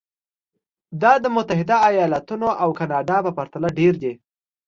دا د متحده ایالتونو او کاناډا په پرتله ډېر دي.